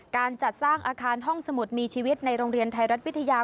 การจัดสร้างอาคารห้องสมุดมีชีวิตในโรงเรียนไทยรัฐวิทยา